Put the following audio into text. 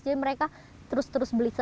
jadi mereka terus terus beli